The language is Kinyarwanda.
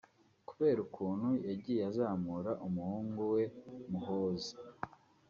Kubera ukuntu yagiye azamura umuhungu we Muhoozi